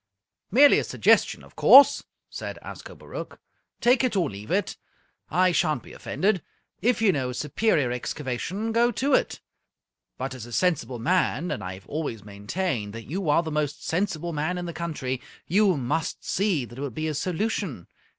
"Merely a suggestion, of course," said Ascobaruch. "Take it or leave it. I shan't be offended. If you know a superior excavation, go to it. But as a sensible man and I've always maintained that you are the most sensible man in the country you must see that it would be a solution.